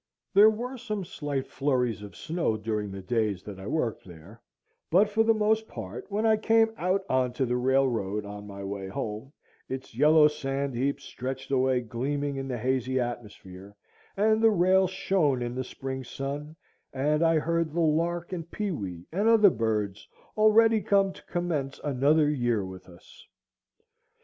There were some slight flurries of snow during the days that I worked there; but for the most part when I came out on to the railroad, on my way home, its yellow sand heap stretched away gleaming in the hazy atmosphere, and the rails shone in the spring sun, and I heard the lark and pewee and other birds already come to commence another year with us.